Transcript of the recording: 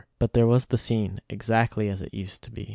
But there was the scene, exactly as it used to be.